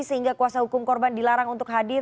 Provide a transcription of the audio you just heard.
sehingga kuasa hukum korban dilarang untuk hadir